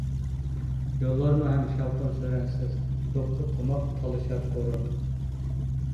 يوللارمۇ ھەم شاۋقۇن-سۈرەنسىز، دوپپا-تۇماق تالىشار ئورۇن.